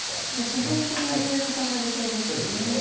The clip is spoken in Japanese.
自然と右上固まりそうですよね。